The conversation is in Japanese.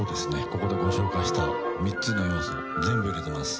ここでご紹介した３つの要素全部入れています。